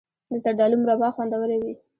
د زردالو مربا خوندوره وي.